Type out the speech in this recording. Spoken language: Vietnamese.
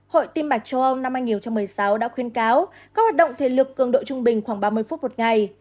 hội tiêm mạch châu âu năm hai nghìn một mươi sáu đã khuyên cáo các hoạt động thể lực cường độ trung bình khoảng ba mươi phút một ngày